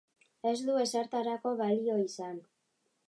Ez du ezertarako balio izan.